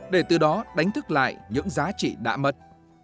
để từ đó đánh thức lại những giá trị đã mất